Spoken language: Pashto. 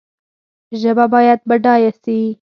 ژبه باید بډایه سي